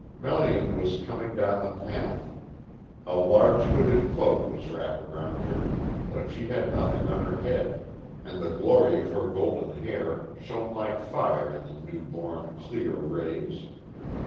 Melian was coming down the path. A large hooded cloak was wrapped round her, but she had nothing on her head, and the glory of her golden hair shone like fire in the new born, clear rays.